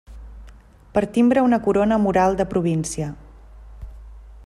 Per timbre una corona mural de província.